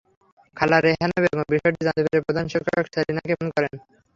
খালা রেহানা বেগম বিষয়টি জানতে পেরে প্রধান শিক্ষক সেলিনাকে ফোন করেন।